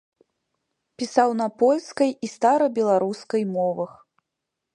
Пісаў на польскай і старабеларускай мовах.